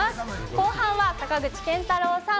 後半は坂口健太郎さん